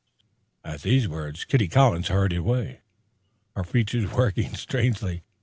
At these words Kitty Collins hurried away, her features working strangely.